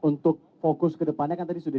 untuk fokus ke depannya kan tadi sudah